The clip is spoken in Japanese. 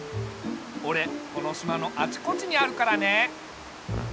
おれこの島のあちこちにあるからね。